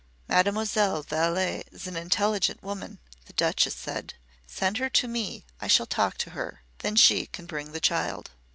"Mademoiselle Vallé is an intelligent woman," the Duchess said. "Send her to me; I shall talk to her. Then she can bring the child."